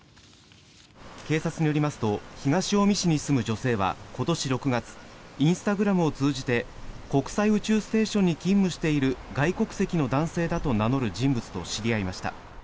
警察によりますと東近江市に住む女性は今年６月インスタグラムを通じて国際宇宙ステーションに勤務している外国籍の男性だと名乗る人物と知り合いました。